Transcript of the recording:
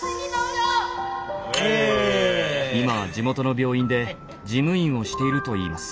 今は地元の病院で事務員をしているといいます。